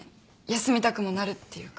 休みたくもなるっていうか。